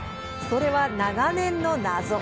それは長年の謎。